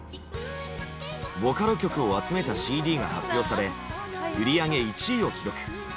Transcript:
ボカロ曲を集めたＣＤが発表され売り上げ１位を記録。